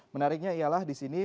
menariknya ialah di sini